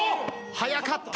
早かった。